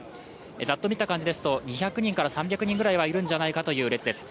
ざっと見た感じですと、２００３００人ぐらいはいるんじゃないかという列です。